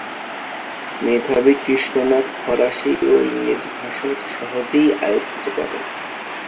মেধাবী কৃষ্ণনাথ ফরাসী ও ইংরাজী ভাষা অতি সহজেই আয়ত্ত করেন।